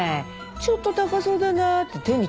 ちょっと高そうだなって手に取っただけよ。